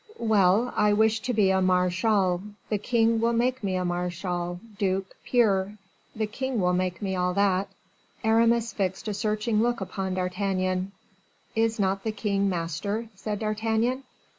"Well! I wish to be a marechal; the king will make me marechal, duke, peer; the king will make me all that." Aramis fixed a searching look upon D'Artagnan. "Is not the king master?" said D'Artagnan.